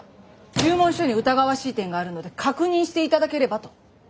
注文書に疑わしい点があるので確認して頂ければと。